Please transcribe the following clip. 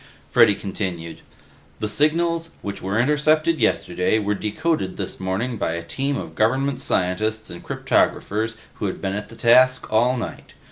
Freddy continued, "The signals, which were intercepted yesterday, were decoded this morning by a team of government scientists and cryptographers who had been at the task all night.